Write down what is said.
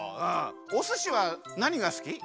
おすしはなにがすき？